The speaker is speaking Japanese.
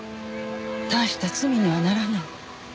大した罪にはならない。